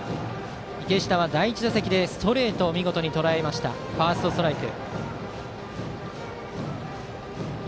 池下は第１打席でストレートを見事にとらえましたファーストストライク。